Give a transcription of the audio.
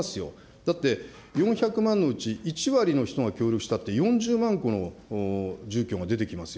だって４００万のうち１割の人が協力したって４０万戸の住居が出てきますよ。